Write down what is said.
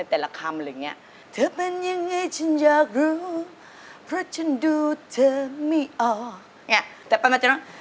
เธอเป็นยังไงฉันอยากรู้เพราะฉันดูเธอไม่ออก